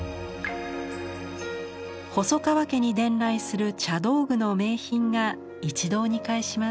細川家に伝来する茶道具の名品が一堂に会します。